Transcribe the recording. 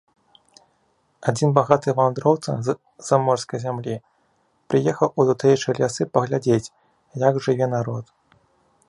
Адзін багаты вандроўца з заморскай зямлі прыехаў у тутэйшыя лясы паглядзець, як жыве народ.